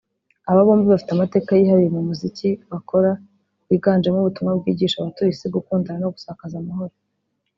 Aba bombi bafite amateka yihariye mu muziki bakora wiganjemo ubutumwa bwigisha abatuye Isi gukundana no gusakaza amahoro